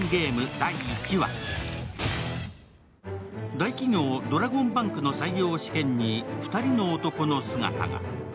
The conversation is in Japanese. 大企業・ドラゴンバンクの採用試験に２人の男の姿が。